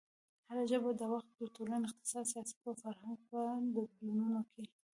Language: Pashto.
هره ژبه د وخت، ټولنې، اقتصاد، سیاست او فرهنګ په بدلونونو کې